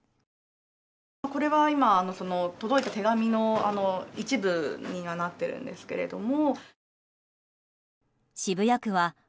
これは今、届いた手紙の一部になっているんですけども。